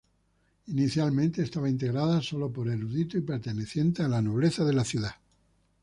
Inicialmente estaba integrada solo por eruditos y pertenecientes a la nobleza de la ciudad.